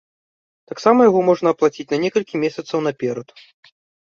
Таксама яго можна аплаціць на некалькі месяцаў наперад.